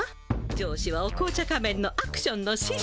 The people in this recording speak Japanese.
上司はお紅茶仮面のアクションの師匠。